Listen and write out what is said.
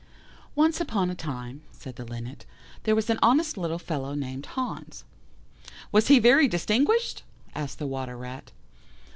"Once upon a time," said the Linnet, "there was an honest little fellow named Hans." "Was he very distinguished?" asked the Water rat.